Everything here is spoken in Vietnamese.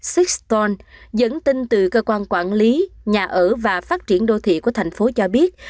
siston dẫn tin từ cơ quan quản lý nhà ở và phát triển đô thị của thành phố cho biết